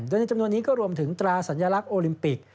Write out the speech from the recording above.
โดยในจำนวนนี้ก็รวมถึงตราสัญลักษณ์โอลิมปิก